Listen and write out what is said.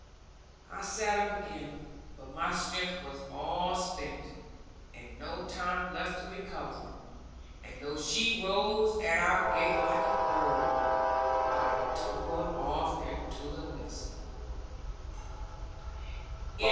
I sat up again, but my strength was all spent, and no time left to recover it, and though she rose at our gate like a bird, I tumbled off into the mixen.